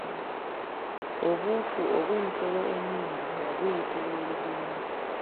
Obuufu obw’ensolo ennene ddala buyitibwa olugendo.